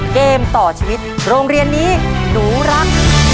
เกมต่อชีวิตโรงเรียนนี้หนูรัก